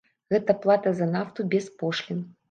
Гэта плата за нафту без пошлін.